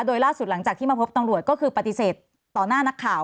โดยล่าสุดหลังจากที่มาพบตำรวจก็คือปฏิเสธต่อหน้านักข่าว